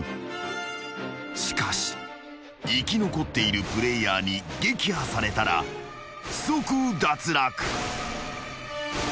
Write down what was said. ［しかし生き残っているプレイヤーに撃破されたら即脱落］